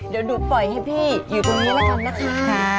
เดี๋ยวดูปล่อยให้พี่อยู่ตรงนั้นนะคะ